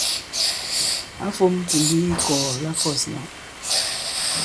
Ǎ fōm kì ndī i ikɔ̀ɔ̀ la kɔ̂s lā.